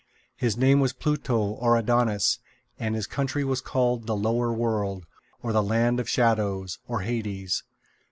His name was Pluto, or Aidoneus, and his country was called the Lower World, or the Land of Shadows, or Hades.